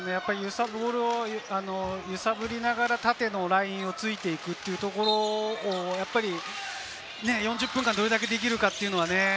ボールを揺さぶりながら、縦のラインをついていくというところを４０分間、どれだけできるか。